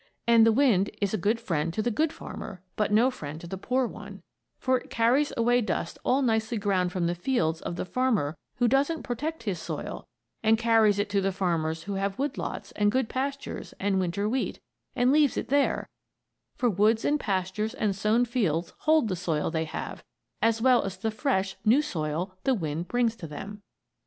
And the wind is a good friend to the good farmer, but no friend to the poor one; for it carries away dust all nicely ground from the fields of the farmer who doesn't protect his soil and carries it to farmers who have wood lots and good pastures and winter wheat, and leaves it there; for woods and pastures and sown fields hold the soil they have, as well as the fresh, new soil the winds bring to them.